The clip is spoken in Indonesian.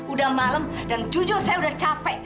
udah malam dan jujur saya udah capek